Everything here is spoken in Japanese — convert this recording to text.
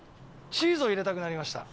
チーズを入れたくなりました。